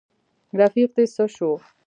رفیق دي څه شو.